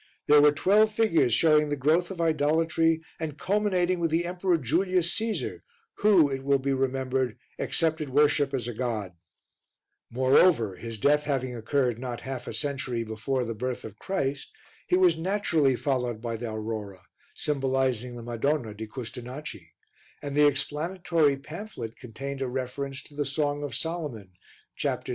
There were twelve figures showing the growth of idolatry and culminating with the Emperor Julius Caesar who, it will be remembered, accepted worship as a god; moreover, his death having occurred not half a century before the birth of Christ, he was naturally followed by the Aurora, symbolizing the Madonna di Custonaci, and the explanatory pamphlet contained a reference to the Song of Solomon vi.